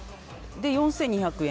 ４２００円。